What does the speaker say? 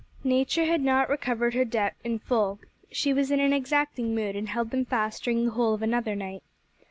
Nature had not recovered her debt in full. She was in an exacting mood, and held them fast during the whole of another night.